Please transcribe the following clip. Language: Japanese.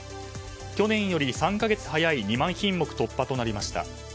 去年より３か月早い２万品目突破となりました。